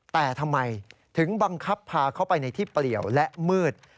แต่ทำไมถึงบังคับพาเขาไปในที่เปลี่ยวและมืด